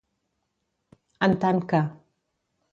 En tant que.